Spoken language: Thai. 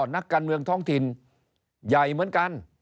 นักการเมืองท้องถิ่นใหญ่เหมือนกัน